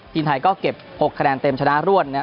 ทีมไทยก็เก็บ๖คะแนนเต็มชนะรวด